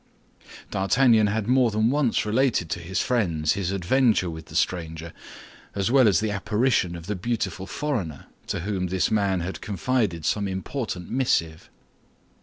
D'Artagnan had more than once related to his friends his adventure with the stranger, as well as the apparition of the beautiful foreigner, to whom this man had confided some important missive.